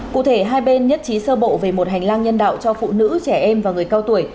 cụ thể hai bên nhất trí sơ bộ về một hành lang nhân đạo cho phụ nữ trẻ em và người cao tuổi